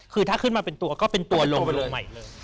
คือถ้าขึ้นมาเป็นตัวก็เป็นตัวลงไปอีกเลย